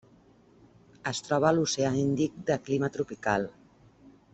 Es troba a l'Oceà Índic de clima tropical: